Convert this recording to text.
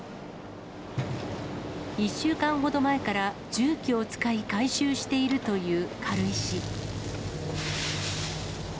１週間ほど前から重機を使い回収しているという軽石。